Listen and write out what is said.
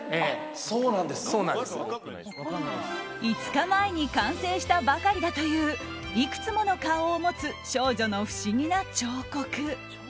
５日前に完成したばかりだといういくつもの顔を持つ少女の不思議な彫刻。